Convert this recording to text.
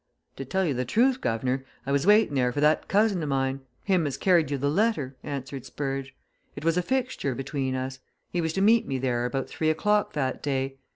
"To tell you the truth, guv'nor, I was waiting there for that cousin o' mine him as carried you the letter," answered Spurge. "It was a fixture between us he was to meet me there about three o'clock that day.